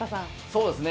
そうですね。